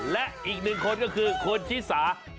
และอีกหนึ่งคนคือคนชิดสา